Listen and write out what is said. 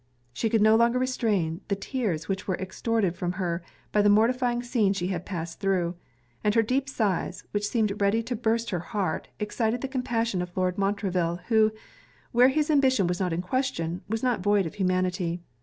She could no longer restrain the tears which were extorted from her by the mortifying scene she had passed through: and her deep sighs, which seemed ready to burst her heart, excited the compassion of Lord Montreville; who, where his ambition was not in question, was not void of humanity.